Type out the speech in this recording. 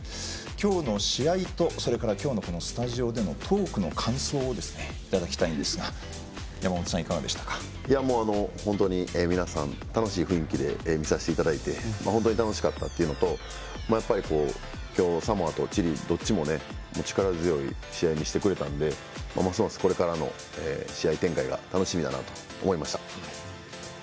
今日の試合と、それから今日のスタジオでのトークの感想をいただきたいんですが本当に皆さん楽しい雰囲気で見させていただいて本当に楽しかったっていうのとやっぱり、今日、サモアとチリどっちも力強い試合見せてくれたんでますますこれからの試合展開が楽しみだなと思いました。